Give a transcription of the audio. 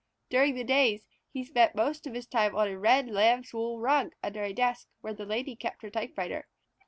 During the days he spent most of his time on a red lamb's wool rug under a desk where the Lady kept her typewriter.